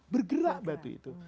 bergerak batu itu